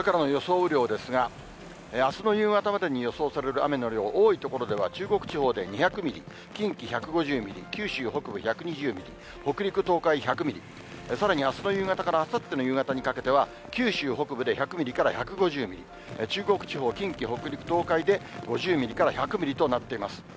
雨量ですが、あすの夕方までに予想される雨の量、多い所では中国地方で２００ミリ、近畿１５０ミリ、九州北部１２０ミリ、北陸、東海１００ミリ、さらにあすの夕方からあさっての夕方にかけては、九州北部で１００ミリから１５０ミリ、中国地方、近畿、北陸、東海で５０ミリから１００ミリとなっています。